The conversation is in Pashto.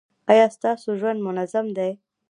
ایا ستاسو ژوند منظم دی؟